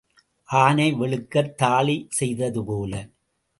ஆனை வெளுக்கத் தாழி செய்தது போல.